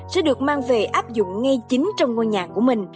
sẽ được mang về áp dụng ngay chính trong ngôi nhà của mình